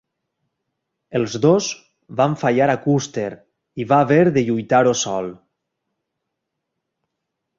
Els dos van fallar a Custer i va haver de lluitar-ho sol.